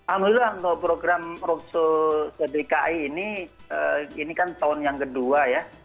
alhamdulillah untuk program roadshow dki ini ini kan tahun yang kedua ya